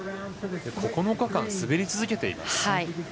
９日間滑り続けています。